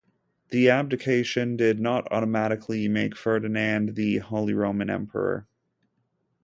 The abdication did not automatically make Ferdinand the Holy Roman Emperor.